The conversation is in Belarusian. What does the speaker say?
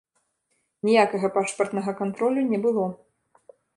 Ніякага пашпартнага кантролю не было.